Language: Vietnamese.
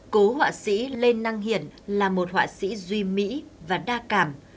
cố họa sĩ lê năng hiển là một họa sĩ duy mỹ và đa cảm